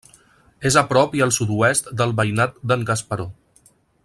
És a prop i al sud-oest del Veïnat d'en Gasparó.